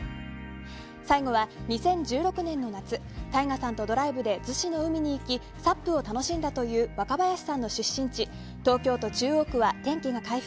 最後は、２０１６年の夏ＴＡＩＧＡさんとドライブで逗子の海に行きＳＡＰを楽しんだという若林さんの出身地東京都中央区は天気が回復。